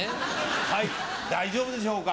はい大丈夫でしょうか？